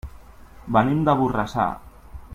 Venim de Borrassà.